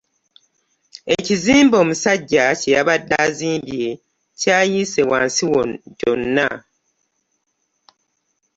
Ekizimbe omusajja kyeyabade azimbye kyayiise wansi kyona.